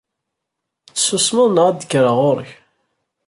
ad tessusmeḍ neɣ ad d-kreɣ ɣur-k!